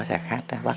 như kiểu miền bắc